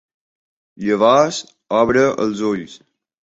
Llavors obre els ulls.